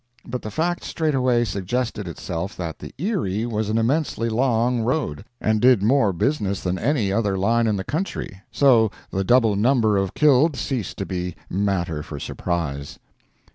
But the fact straightway suggested itself that the Erie was an immensely long road, and did more business than any other line in the country; so the double number of killed ceased to be matter for surprise.